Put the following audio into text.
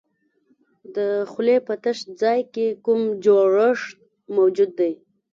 د خولې په تش ځای کې کوم جوړښت موجود دی؟